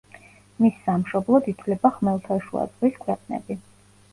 მის სამშობლოდ ითვლება ხმელთაშუა ზღვის ქვეყნები.